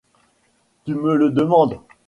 Tu me le demandes ?